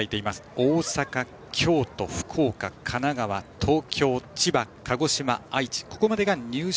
大阪、京都、福岡神奈川、東京、千葉、鹿児島愛知、ここまでが入賞。